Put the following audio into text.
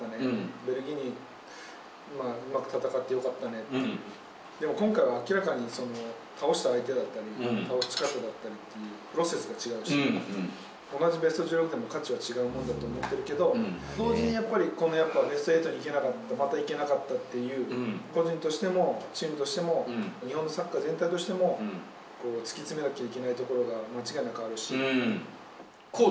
ベルギーとうまく戦ってよかったねって、でも、今回は明らかに倒した相手だったり倒し方だったりというプロセスが違うし、同じベスト１６でも、価値は違うものだと思ってるけど、同時にやっぱり、ここ、ベスト８にいけなかった、またいけなかったっていう、個人としても、チームとしても日本サッカー全体としても、突き詰めなきゃいけな滉とかどう？